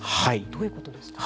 どういうことですか。